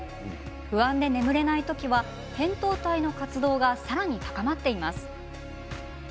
不安で眠れない時はへんとう体の活動がさらに高まっています。